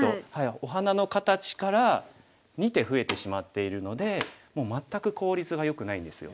お花のかたちから２手増えてしまっているのでもう全く効率がよくないんですよ。